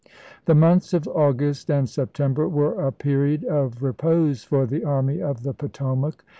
The months of August and September were ises. ms. a period of repose for the Army of the Potomac.